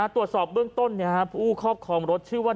ตรวจสอบเบื้องต้นผู้ครอบครองรถชื่อว่า